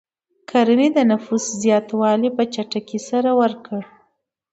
کرنې د نفوس زیاتوالی په چټکۍ سره ورکړ.